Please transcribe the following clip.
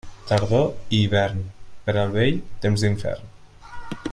Tardor i hivern, per al vell, temps d'infern.